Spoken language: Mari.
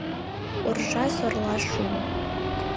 Уржа-сорла шуо.